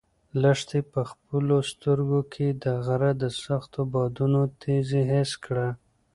لښتې په خپلو سترګو کې د غره د سختو بادونو تېزي حس کړه.